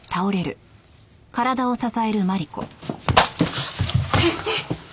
ああっ先生！